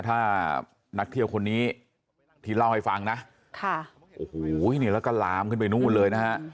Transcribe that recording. ถ้านักเที่ยวคนนี้ที่เล่าให้ฟังนะค่ะโอ้โหนี่แล้วก็ลามขึ้นไปนู่นเลยนะฮะ